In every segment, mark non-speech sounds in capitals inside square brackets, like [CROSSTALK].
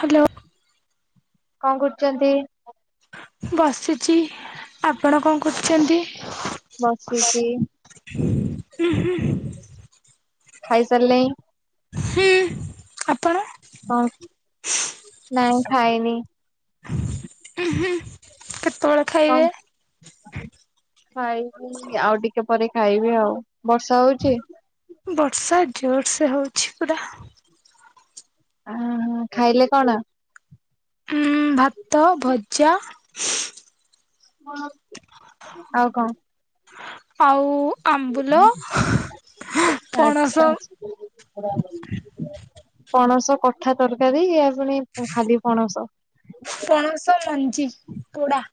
Hello. କଣ କରୁଚନ୍ତି? ବସିଛି ଆପଣ କଣ କରୁଚନ୍ତି? ବସିଚି। ହୁଁ ହୁଁ। ଖାଇ ସାରିଲେଣି? ହୁଁ ଆପଣ? ହଁ ନାଇଁ ଖାଇନି। ଉଁ ହୁଁ କେତେବେଳେ? ଖାଇବେ? କଣ ଖାଇବି ଆଉ ଟିକେ ପରେ ଖାଇବି ଆଉ। ବର୍ଷା ହୋଉଚି? ବର୍ଷା ଜୋର ସେ ହୋଉଛି ପୁରା। ଅହୋ ଖାଇଲେ କଣ? ଉଁ ଭାତ, ଭଜା ଆଉ କଣ? ଆଉ ଆମ୍ବୁଲ ପଣସ ଆଛା ଆଛା। ପଣସ କଠା ତରକାରୀ ଆ ପୁଣି ଖାଲି ପଣସ। ପଣସ ମୋଞ୍ଜି ପୋଡ଼ା।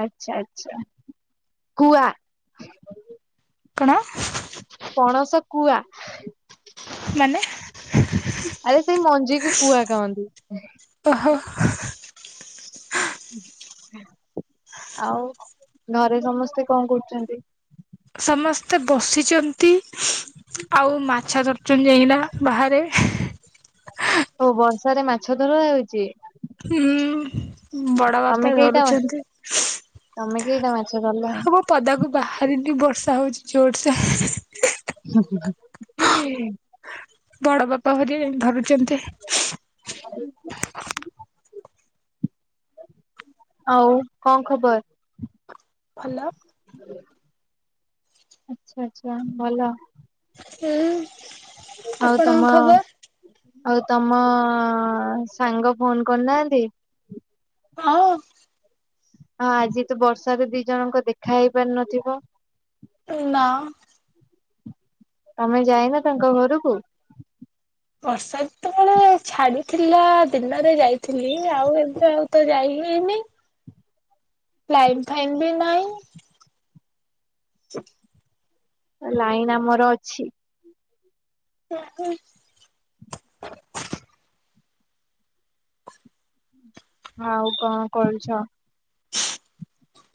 ଆଛା ଆଛା କୁଆ। କଣ? ପଣସ କୁଆ। ମାନେ? ଆରେ ସେଇ ମଞ୍ଜିକୁ କୁଆ କହନ୍ତି। ଓ ହୋ। ଆଉ ଘରେ ସମସ୍ତେ କଣ କରୁଛନ୍ତି? ସମସ୍ତେ ବସିଛନ୍ତି ଆଉ ମାଛ ଧରୁଛନ୍ତି ଯାଇକିନା ବାହାରେ। ଓ ବର୍ଷା ରେ ମାଛ ଧରା ହେଉଛି। ହୁଁ। ବଡ ବାପା ତମେ କେଇଟା ଧରୁଛନ୍ତି ତମେ କେଇଟା ମାଛ ଧରିଲଣି [UNINTELLIGIBLE] ପଦାକୁ ବାହାରିନି ବର୍ଷା ହେଉଛି ଜୋର୍ ସେ [UNINTELLIGIBLE] ବଡ ବାପା ଭରି ଧରୁଛନ୍ତି। [UNINTELLIGIBLE] ଆଉ କଣ ଖବର? ଭଲ। ଆଛା ଆଛା ଭଲ। ହୁଁ। ଆଉ ତମ? ଆପଣଙ୍କ ଖବର? ଆଉ ତମ ସାଙ୍ଗ ଫୋନ୍ କରି ନାହାନ୍ତି? ହଁ। ହଁ ଆଜି ତ ବର୍ଷାରେ ଦି ଜଣଙ୍କ ଦେଖା ହେଇ ପାରି ନଥିବ। ନାଆ। ତମେ ଯାଇନ ତାଙ୍କ ଘରକୁ? ବର୍ଷାଋତୁ ବେଳେ ଛାଡିଥିଲା ଦିନରେ ଯାଇଥିଲି ଆଉ ଏବେ ଆଉ ତ ଯାଇ ହେଇନି। ଲାଇନ୍ ଫାଇନ୍ ବି ନାହିଁ। ଲାଇନ୍ ଆମର ଅଛି। ହୁଁ ହୁଁ। ଆଉ କଅଣ କରୁଛ?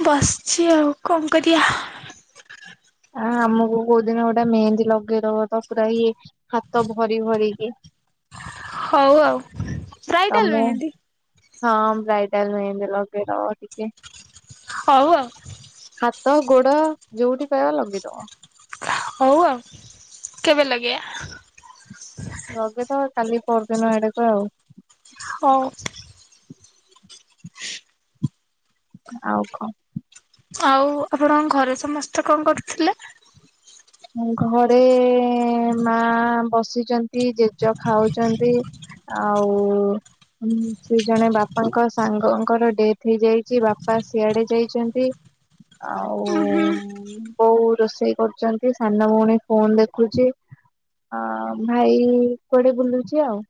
ବସିଛି ଆଉ କଣ କରିବା। ଆ ଆମକୁ କୋଉଦିନ ଗୋଟେ ମେହେନ୍ଦୀ ଲଗେଇଦବ ତ ପୁରା ଇଏ ହାତ ଭରି ଭରିକି। ହଉ ଆଉ ବ୍ରାଇଟାଲ୍ ତମେ ମେହେନ୍ଦି। ହଁ ବ୍ରାଇଡଲ ମେହେନ୍ଦି ଲଗେଇ ଦବ ଟିକେ। ହଉ ଆଉ। ହାତ ଗୋଡ ଯୋଉଠି ପାଇବା ଲଗେଇଦବ। ହଉ ଆଉ କେବେ ଲଗେଇବା। ଲଗେଇଦବ ଆଉ କାଲି ପଅରଦିନ ଆଡ଼ କୁ ଆଉ ହଉ। ଆଉ କଣ ଆଉ ଆପଣଙ୍କ ଘରେ ସମସ୍ତେ କଣ କରୁଥିଲେ। ଘରେ ମା ବସିଛନ୍ତି ଜେଜ ଖାଉଛନ୍ତି। ଆଉ ହଁ ସେ ଜଣେ ବାପାଙ୍କ ସାଙ୍ଗଙ୍କର ଡେଥ୍ ହେଇଯାଇଛି ବାପା ସିଆଡ଼େ ଯାଇଛନ୍ତି। ଆଉ ଉଁ ହୁଁ ବୋଉ ରୋଷେଇ କରୁଛନ୍ତି। ଟିକେ ସାନ ଭଉଣୀ ଫୋନ୍ ଦେଖୁଛି ଆ ଭାଇ କୁଆଡେ ବୁଲୁଛି ଆଉ।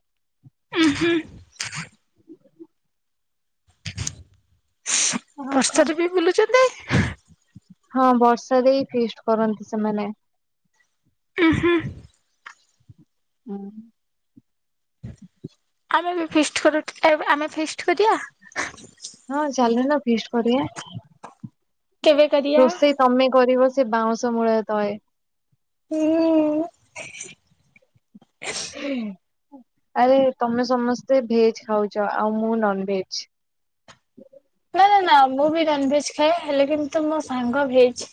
ଉୁଁ ହୁଁ ଆଉ କଣ ବର୍ଷରେ ବି ବୁଲୁଛନ୍ତି। ହଁ ବର୍ଷା ଦେଇ ଫେଷ୍ଟ କରନ୍ତି ସେମାନେ। ଉଁ ହୁଁ। ହୁଁ। ଆମେ ବି ଫିଷ୍ଟ କରୁ [UNINTELLIGIBLE] ଆମେ ଫିଷ୍ଟ କରିଆ? ହଁ ଚାଲୁନ ଫିଷ୍ଟ କରିଆ। କେବେ? କରିବା? ରୋଷେଇ ତମେ କରିବ ସେ ବାଉଁଶ ମୂଳେ ତଏ। ହୁଁ ଉଁ। ଆରେ ତମେ ସମସ୍ତେ ଭେଜ୍ ଖାଉଛ ଆଉ ମୁଁ ନନ୍ ଭେଜ୍। ନା-ନା-ନା ମୁଁ ବି ନନ୍ ଭେଜ୍ ଖାଏ ହେଲେ କିନ୍ତୁ ମୋ ସାଙ୍ଗ ଭେଜ୍।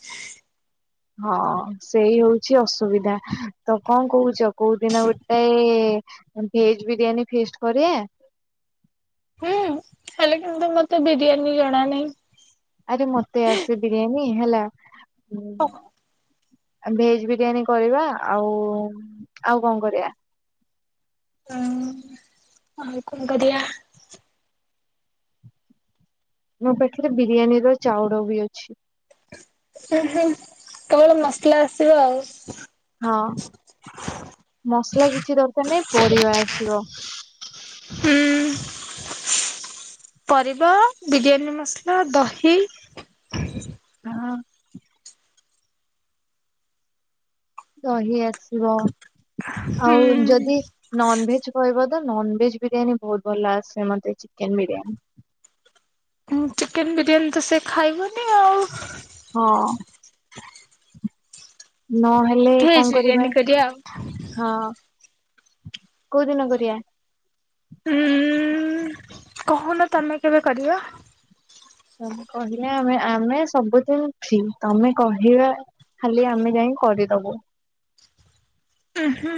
ହଁ ସେଇ ହଉଚି ଅସୁବିଧା ତ କଁ କହୁଚ କୋଉ ଦିନ ଗୋଟେ ଅଁ ଭେଜ୍ ବିରିୟାନୀ ଫେଷ୍ଟ କରିଆ? ହୁଁ ହେଲେ କିନ୍ତୁ ମତେ ବିରିୟାନୀ ଜଣା ନାଇଁ। ଆରେ ମତେ ଆସେ ବିରିୟାନୀ ହେଲା ଉଁ ଓ ଆ ଭେଜ୍ ବିରିୟାନୀ କରିବା। ଆଉ ଆଉ କଁ କରିଆ? ହଁ ଆଉ କଁ କରିିଆ? ମୋ ପାଖରେ ବିରିୟାନୀର ଚାଉଡ ବି ଅଛି। ଉଁ ହୁଁ କେବଳ ମସଲା ଆସିବ ଆଉ। ହଁ ମସଲା କିଛି ଦରକାର୍ ନାଇଁ ପରିବା ଆସିବ। ହୁଁ। ପରିବା ବିରିୟାନୀ ମସ୍ଲା ଦହି [UNINTELLIGIBLE] ହଁ। ଦହି ଆସିବ ହୁଁ ଆଉ ଯଦି ନନ୍ ଭେଜ୍ କହିବ ତ ନନ୍ ଭେଜ୍ ବିରିୟାନୀ ବହୁତ୍ ଭଲ ଆସେ ମତେ ଚିକେନ୍ ବିରିୟାନୀ। ହୁଁ ଚିକେନ୍ ବିରିୟାନୀ ତ ସେ ଖାଇବନି ଆଉ। ହଁ ନ ହେ ଲେ କଁ ଭେଜ କରିବା। ବିରିୟାନୀ ଆଉ ହଁ କୋଉ ଦିନ କରିଆ? ଉଁ-ଉଁ କହୁନ ତମେ କେବେ କରିବା? ତମେ କହିଲେ ଆମେ ଆମେ ସବୁଦିନ୍ ଫ୍ରି ତମେ କହିବା ଖାଲି ଆମେ ଯାଇଁ କରିଦବୁ। ଉଁ ହୁଁ।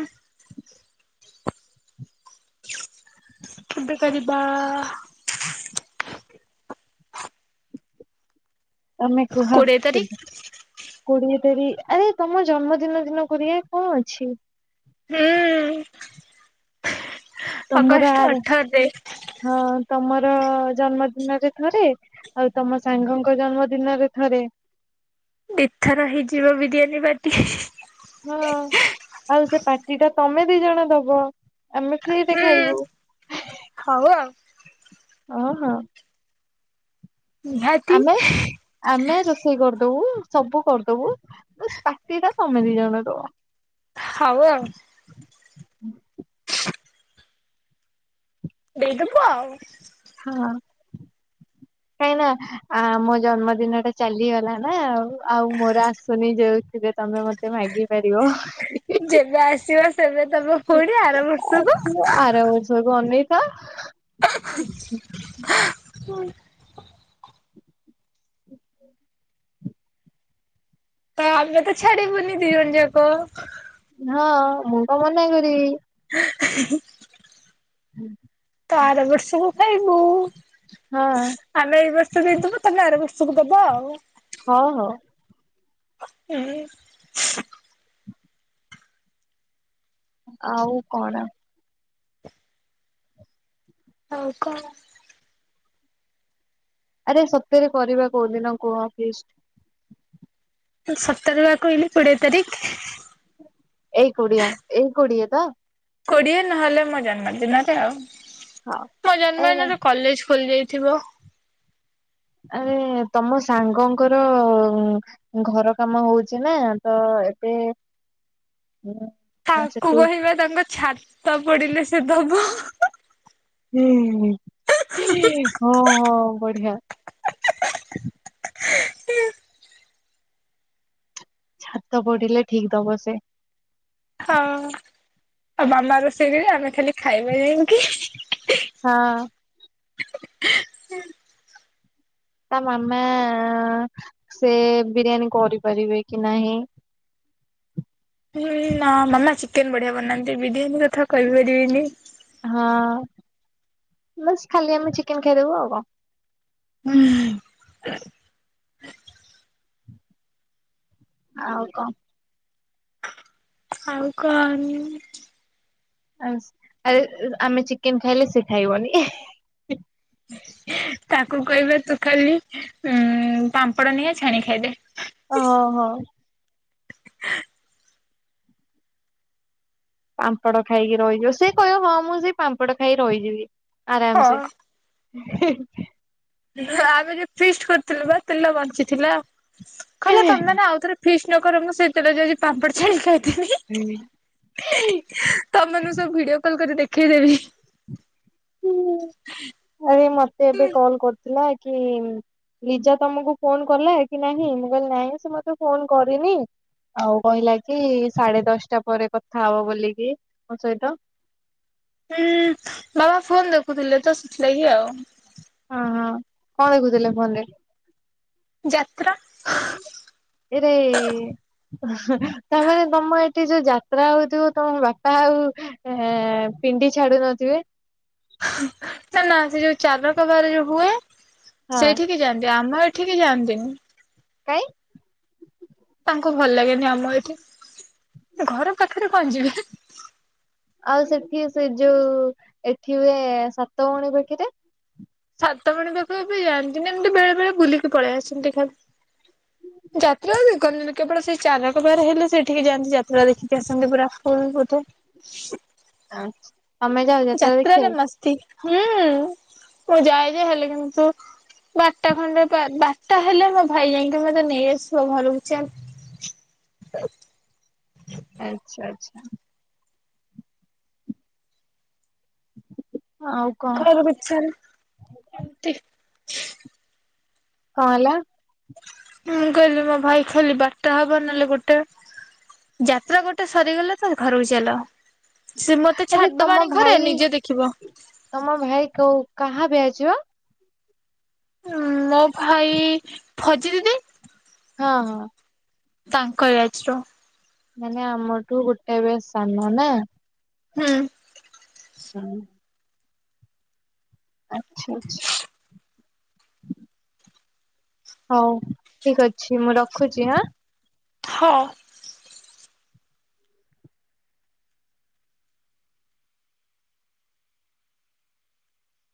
କେବେ କରିବା ଆ-ଆ ତମେ କୁହ କୋଡିଏ କେବେ? ତାରିଖ କୋଡିଏ ତାରି ଆରେ ତମ ଜନ୍ମଦିନ ଦିନ କରିଆ କଁ ଅଛି। ହୁଁ। ତମର ଅଗଷ୍ଟ ଆର ଅଠରରେ ହଁ ତମର ଜନ୍ମଦିନରେ ଥରେ ଆଉ ତମ ସାଙ୍ଗଙ୍କ ଜନ୍ମ ଦିନରେ ଥରେ। ଦି ଥର ହେଇଯିବ ବିରିୟାନୀ ପାର୍ଟି। ହଁ ଆଉ ସେ ପାଟି ଟା ତମେ ଦି ଜଣ ଦବ। ଆମେ ଫ୍ରିରେ ହୁଁ ଖାଇବୁ ହଉ ଆଉ ଅଁ ହଁ। ନିହାତି। ଆମେ ଆମେ ରୋଷେଇ କରିଦବୁ ସବୁ କରିଦବୁ ବାଶ୍ ପାଟି ଟା ତମେ ଦି ଜଣ ଦବ। ହଉ ଆଉ। ଦେଇଦବୁ ଆଉ। ହଁ। କାଇଁନା ଆ ମୋ ଜନ୍ମଦିନ ଟା ଚାଲିଗଲା ନା ଆ ଆଉ ମୋର ଆସୁନି ଯୋଉଥିରେ ତମେ ମ ଏତେ ମାଗି ପାରିବ। ଯେବେ ଆସିବ ସେବେ ଦବ ପୁଣି ଆର ବର୍ଷକୁ। ଆର ବର୍ଷକୁ ଅନେଇ ସ [INAUDIBLE] ତ ଆମେ ତ ଛାଡିବୁନି ଦି ଜଣ ଯାକ। ହଁ ମୁଁ ପା ମନା କରିବି। ହୁଁ। ତ ଆର ବର୍ଷ କୁ ଖାଇବୁ। ହଁ। ଆମେ ଏଇ ବର୍ଷ ଦେଇଥିବୁ ତମେ ଆର ବର୍ଷକୁ ଦବ ଆଉ। ହଉ ହଉ। ହୁଁ। ଆଉ କଣ। ଆଉ କଣ। ଆରେ ସତ୍ୟରେ କରିବା କୋଉଦିନ କୁହ ଫିଷ୍ଟ୍। ତୁ ସତରେ ବା କହିଲି କୋଡିଏ ତାରିଖି। ଏଇ କୋଡିଅ ଏଇ କୋଡିଏ ତ। କୋଡ଼ିଏ ନହେଲେ ମୋ ଜନ୍ମଦିନରେ ଆଉ। ହଉ ମୋ ଆରେ ନା ଜନ୍ମଦିନ ରେକଲେଜ୍ ଖୋଲି ଯାଇଥିବ। ଆରେ ତମ ସାଙ୍ଗଙ୍କରଅ ଘର କାମ ହୋଉଚି ନା ତ ଏବେ ଆ ତାଙ୍କୁ ସେଠୁ କହିବା ତାଙ୍କ ଛାତ ପଡିଲେ ସେ ଦବ। ହୁଁ ହୁଁ ହଁ ହଁ ବଢିଆହ ଛାତ ପଢିଲେ ଠିକ୍ ଦବ ସେ। ହଁ ଆଉ ମାମା ରୋଷେଇକରେ ଆମେ ଖାଲି ଖାଇବା ଯେ ମିତି। ହଁ। ତା ମାମା ସେ ବିରିୟାନୀ କରିପାରିବେ କି ନାହିଁ। ନା ମାମା ଚିକେନ ବଢ଼ିଆ ବନାନ୍ତି ବିରିୟାନୀ କଥା କହିପାରିବିନି। ହଁ ବାସ୍ ଖାଲି ଆମେ ଚିକେନ୍ ଖାଇଦେବୁ ଆଉ କଣ। ହୁଁ। ଆଉ କଣ। ଆଉ କନ୍। ଆରେ ଆମେ ଚିକେନ୍ ଖାଇଲେ ସେ ଖାଇବନି। ତାକୁ କହିବା ତୁ ଖାଲି ଉଁ ପାମ୍ପଡ଼ ନେଇଆ ଛାଣିକି ଖାଇଦେ। ଓ ହୋ। ପାମ୍ପଡ ଖାଇକି ରହିଯିବ ସେ କହିବ ହଁ ମୁଁ ସେ ପାମ୍ପଡ ଖାଇକି ରହିଯିବି ହଁ ଆରାମସେ। ହେ। ଆମେ ଯୋଉ ଫିଷ୍ଟ କରିଥିଲୁ ବା ତେଲ ବଞ୍ଚିଥିଲା କହିଲା ତମେ ମାନେ ଆଉଥରେ ଫିଷ୍ଟି ନକର ସେତେଲ ଯାଉଚି ପାମ୍ପଡ ଛାଣିକି ଖାଇ ହୁଁ। ତମ ମାନଙ୍କୁ ସବୁ ଭିଡିଓ କଲ୍ କରି ଦେଖେଇଦେବି। ଆରେ ମତେ ଏବେ କଲ୍ କର୍ଥିଲା କି। ଲିଜା ତମକୁ ଫୋନ୍ କଲା କି ନାହିଁ ମୁଁ କହିଲି ନାହିଁ ସେ ମତେ ଫୋନ୍ କରିନି। ଆଉ କହିଲା କି ସାଢେ ଦଶଟା ପରେ କଥା ହବ ବୋଲିକି ମୋ ସହିତ। ହୁଁ ବାବା ଫୋନ ଦେଖୁଥିଲେ ତ ସେଥିଲାଗି ଆଉ। ହଁ ହଁ କଣ ଦେଖୁଥିଲେ ଫୋନରେ। ଯାତ୍ରା। ହେଇରେ। ହୁଁ ତାମାନେ ତମ ଏଠି ଯୋଉ ଯାତ୍ରା ହଉଥିବ ତମ ବାପା ଆଉ। ହେଁ ପେଣ୍ଡି ଛାଡୁନଥିବେ। ନା ସେ ଯୋଉ ଚାଲକ ବାହାରେ ଯୋଉ ହୁଏ। ହଁ ସେଇଠିକି ଯାଆନ୍ତି ଆମ ଏଠିକି ଯାଆନ୍ତିନି। କାଇଁ। ତାଙ୍କୁ ଭଲ ଲାଗେନି ଆମ ଏଠି ଘର ପାଖରେ କଣ ଯିବେ। ଆଉ ସେଠି ସେ ଯୋଉ ଏଠି ହୁଏ ସାତଭଉଣୀ ପାଖିରେ। ସାତପାଣି ପାଖକୁ ଯାଆନ୍ତି ନା ଏମିତି ବେଳେ ବେଳେ ବୁଲିକି ପଳେଇ ଆସନ୍ତି ଖାଲି। ଯାତ୍ରା ଦେଖନ୍ତିନି। କେବଳ ସେ ଚାଲକ ବାର ହେଲେ ସେଠିକି ଯାଆନ୍ତି ଯାତ୍ରା ଦେଖିକି ଆସନ୍ତି ପୁରା ଫୁଲ ବୋଧେ। ଆନଛ। ଯାତ୍ରାରେ ମସ୍ତି ହୁଁ ମୁଁ ଯାଏ ଯେ ହେଲେ କିନ୍ତୁ ବାରଟା ଖଣ୍ଡେ ବାରଟା ହେଲେ ମୋ ଭାଇ ଯାଇକି ମତେ ନେଇଆସିବ ଘରକୁ ଚାଲ। ଆଚ୍ଛା ଆଚ୍ଛା। ଆଉ। କଣ କହିବାକୁ ଇଛା ନାଇଁ ଏମତି। କଣ ହେଲା। ମୁଁ କହିଲି ମୋ ଭାଇ ଖେଲି ବାରଟା ହବ ନହେଲେ ଗୋଟେ। ଯାତ୍ରା ଗୋଟେ ସରିଗଲେ ତ ଘରକୁ ଚାଲ। ସିଏ ମତେ ଆରେ ଛାଡ଼ିଦବ ତମ ଆଣିକି ଘରେ ଭାଇ ନିଜେ ଦେଖିବ। ତମ ଭାଇ କୋଉ କାହା ବ୍ୟାଚ। ଉଁ ମୋ ଭାଇ ଫଜି ଦିଦି। ହଁ ହଁ। ତାଙ୍କ ବ୍ୟାଚର। ମାନେ ଆମଠୁ ଗୋଟେ ବ୍ୟାଚ ସାନ ନା। ହୁଁ। ହୁଁ। ଆଛା ଆଛା। ହଉ ଠିକ ଅଛି ମୁଁ ରଖୁଛି ହଁ। ହଁ।